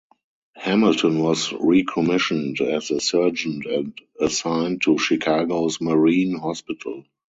Hamilton was recommissioned as a Surgeon and assigned to Chicago's Marine Hospital.